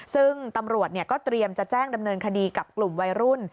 ซึ่งตำรวจก็เตรียมจะแจ้งดำเนินคดีกับกลุ่มวัยรุ่น